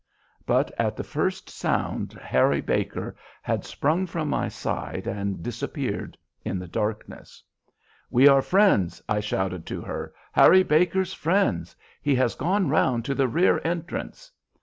But at the first sound Harry Baker had sprung from my side and disappeared in the darkness. "We are friends," I shouted to her, "Harry Baker's friends. He has gone round to the rear entrance."